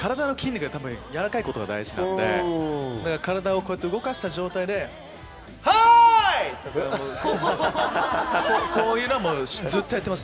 体の筋肉がやわらかいことが大事なので、体を動かした状態で、はい！とやる。